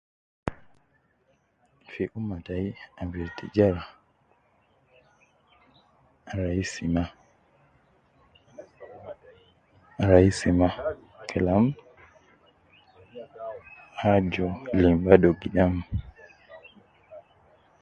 Fi umma tai abidu tijara ,raisi ma, raisi ma ,kalam aju lim badu gidam